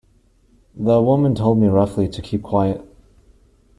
The woman told me roughly to keep quiet.